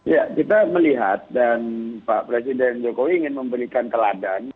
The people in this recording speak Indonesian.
ya kita melihat dan pak presiden jokowi ingin memberikan teladan